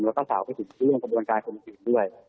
แล้วก็สาวไปถึงเรื่องกระบวนการคมคืนด้วย